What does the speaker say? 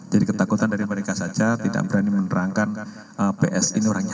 jadi ketakutan dari mereka saja tidak berani menerangkan ps ini orangnya